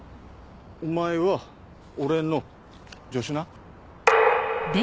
お前は俺の助手な。